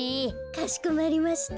かしこまりました。